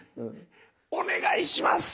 お願いします！